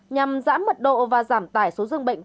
nhằm giãn mật độ và giảm tải số dương bệnh